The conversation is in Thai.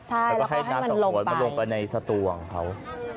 ใช่แล้วก็ให้น้ำสะโหดลงไปในสตวงเขา